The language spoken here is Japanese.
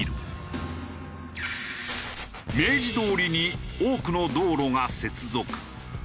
明治通りに多くの道路が接続。